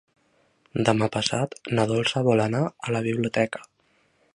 Demà passat na Dolça vol anar a la biblioteca.